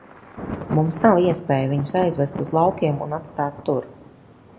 Mums nav iespēju viņus aizvest uz laukiem un atstāt tur.